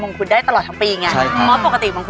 นี่